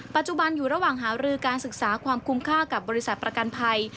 ปัจจุบันอยู่ระหว่างหารือการศึกษาความคุ้มค่ากับบริษัทประกันภัย